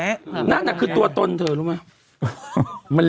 เป็นการกระตุ้นการไหลเวียนของเลือด